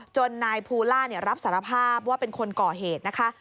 นายภูล่ารับสารภาพว่าเป็นคนก่อเหตุนะคะ